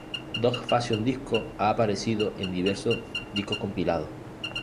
Dog Fashion Disco ha aparecido en diversos discos compilados